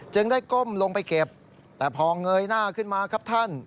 ได้ก้มลงไปเก็บแต่พอเงยหน้าขึ้นมาครับท่าน